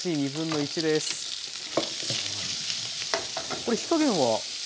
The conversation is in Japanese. これ火加減は？